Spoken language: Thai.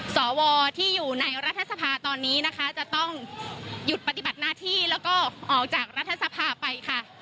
สวที่อยู่ในรัฐสภาตอนนี้นะคะจะต้องหยุดปฏิบัติหน้าที่แล้วก็ออกจากรัฐสภาไปค่ะ